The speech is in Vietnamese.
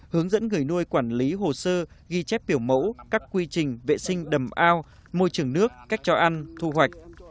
hướng dẫn người nuôi quản lý hồ sơ ghi chép biểu mẫu các quy trình vệ sinh đầm ao môi trường nước cách cho ăn thu hoạch